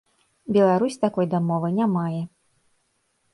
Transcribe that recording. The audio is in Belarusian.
Беларусь такой дамовы не мае.